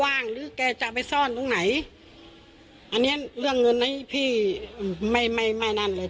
ว่างหรือแกจะไปซ่อนตรงไหนอันเนี้ยเรื่องเงินให้พี่ไม่ไม่ไม่นั่นเลย